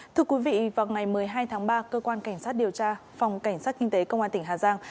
thưa quý vị vào ngày một mươi hai tháng ba cơ quan cảnh sát điều tra phòng cảnh sát kinh tế công an tỉnh hà giang